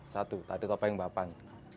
satu dari topeng bapang